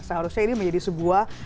seharusnya ini menjadi sebuah